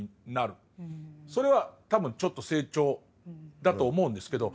それは多分ちょっと成長だと思うんですけど。